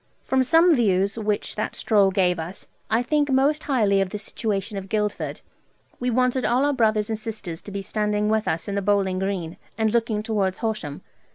From some views which that stroll gave us, I think most highly of the situation of Guildford. We wanted all our brothers and sisters to be standing with us in the bowling green, and looking towards Horsham.